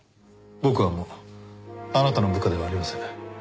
僕はもうあなたの部下ではありません。